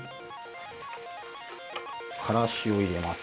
からしを入れます。